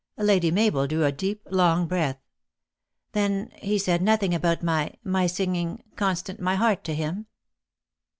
Lady Mabel drew a deep, long breath. " Then he said nothing about my my singing Constant my heart to him